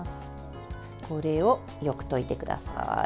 これをよく溶いてください。